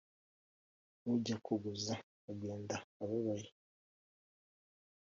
ujya kuguza, agenda-ababaye